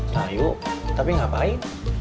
nah yuk tapi ngapain